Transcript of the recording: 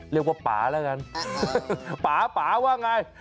เรียกว่าป๋าแล้วกันป๋าว่าอย่างไร